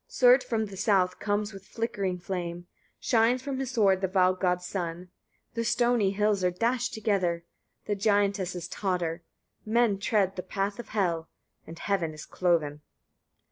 51. Surt from the south comes with flickering flame; shines from his sword the Val gods' sun. The stony hills are dashed together, the giantesses totter; men tread the path of Hel, and heaven is cloven.